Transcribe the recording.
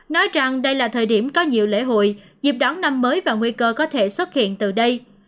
nói rằng đây là thời điểm có nhiều lễ hội dịp đón năm mới và nguy cơ có thể xuất hiện từ đây